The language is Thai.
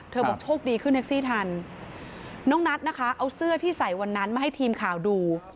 บอกโชคดีขึ้นแท็กซี่ทันน้องนัทนะคะเอาเสื้อที่ใส่วันนั้นมาให้ทีมข่าวดู